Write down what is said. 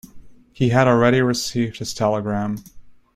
He had already received his telegram.